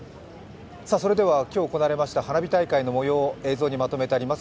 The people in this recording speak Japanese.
それでは今日行われました花火大会の模様を映像にまとめてあります。